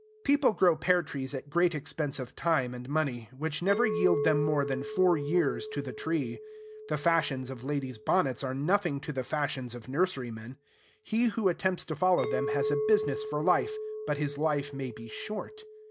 People grow pear trees at great expense of time and money, which never yield them more than four pears to the tree. The fashions of ladies' bonnets are nothing to the fashions of nurserymen. He who attempts to follow them has a business for life; but his life may be short.